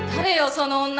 その女。